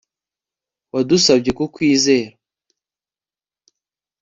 Wadusabye kukwizera